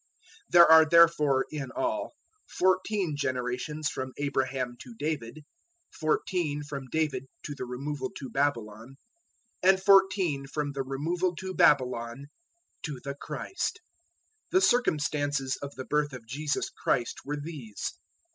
001:017 There are therefore, in all, fourteen generations from Abraham to David; fourteen from David to the Removal to Babylon; and fourteen from the Removal to Babylon to the Christ. 001:018 The circumstances of the birth of Jesus Christ were these.